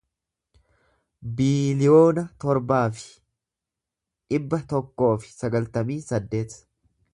biiliyoona torbaa fi dhibba tokkoo fi sagaltamii saddeet